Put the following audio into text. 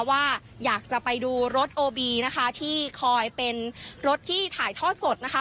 ว่าอยากจะไปดูรถโอบีนะคะที่คอยเป็นรถที่ถ่ายทอดสดนะคะ